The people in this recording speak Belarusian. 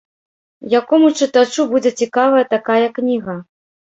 Якому чытачу будзе цікавая такая кніга?